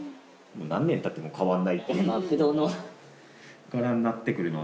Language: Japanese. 何年経っても変わらないっていう柄になってくるので。